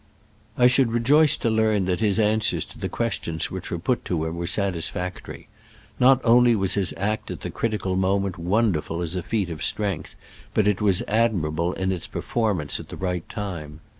I should rejoice to learn that his answers to the questions which were put to him were satisfactory. Not only was his act at the critical moment wonderful as a feat of strength, but it was admirable in its per formance at the right time.